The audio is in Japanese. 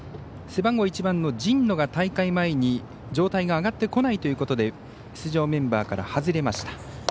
背番号１番の神野が大会前に状態が上がってこないということで出場メンバーから外れました。